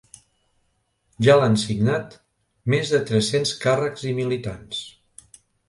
Ja l’han signat més de tres-cents càrrecs i militants.